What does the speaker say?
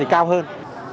thì cao hơn